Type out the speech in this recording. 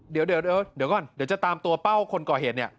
เดี๋ยวก่อนเดี๋ยวจะตามตัวเป้าคนก่อเหตุเนี่ย